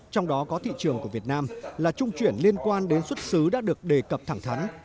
trong đó có thị trường của việt nam là trung chuyển liên quan đến xuất xứ đã được đề cập thẳng thắn